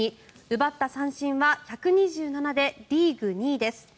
奪った三振は１２７でリーグ２位です。